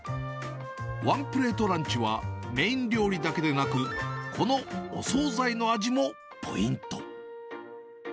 ワンプレートランチは、メイン料理だけでなく、このお総菜の味もポイント。